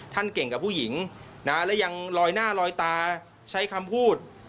เก่งกับผู้หญิงนะและยังลอยหน้าลอยตาใช้คำพูด